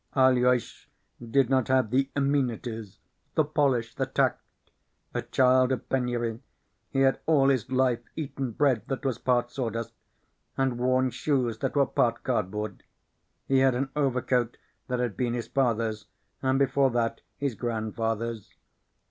Aloys did not have the amenities, the polish, the tact. A child of penury, he had all his life eaten bread that was part sawdust, and worn shoes that were part cardboard. He had an overcoat that had been his father's, and before that his grandfather's.